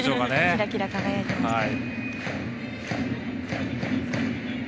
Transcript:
キラキラ輝いていました。